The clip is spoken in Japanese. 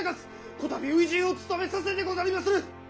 こたび初陣をつとめさせてござりまする！